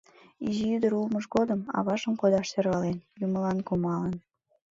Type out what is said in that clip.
Изи ӱдыр улмыж годым, аважым кодаш сӧрвален, юмылан кумалын...